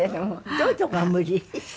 どういうところが無理？